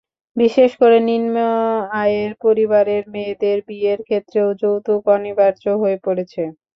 বিশেষ করে, নিম্ন আয়ের পরিবারের মেয়েদের বিয়ের ক্ষেত্রেও যৌতুক অনিবার্য হয়ে পড়েছে।